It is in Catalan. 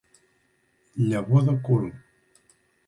Llavor de cul.